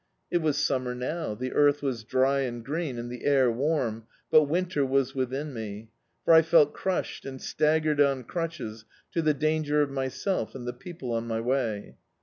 It was summer now, the earth was dry and green, and the air warm, but winter was within me; for I felt crushed and staggered on crutches to the danger of myself and the people on my way.